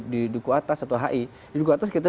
di duku atas atau hi di duku atas kita